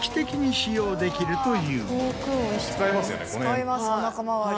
使いますおなか回り。